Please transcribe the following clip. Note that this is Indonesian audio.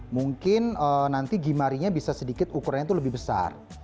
mungkin nanti gimarinya bisa sedikit ukurannya itu lebih besar